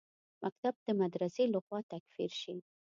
مکتب د مدرسې لخوا تکفیر شي.